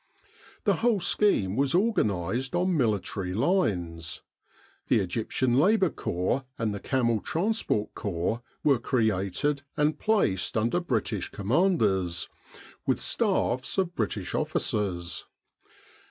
The whole scheme was organised on military lines. The Egyptian Labour Corps and the Camel Transport Corps were created and placed under British commanders, with staffs of British officers.